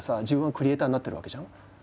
自分がクリエーターになってるわけじゃん。